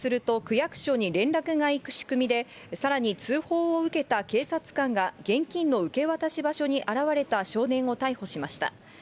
感知すると区役所に連絡が行く仕組みで、さらに通報を受けた警察官が現金の受け渡し場所に現れた少年を逮捕しました。